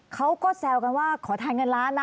เขาก็แซวกันว่าขอทานเงินล้านนะ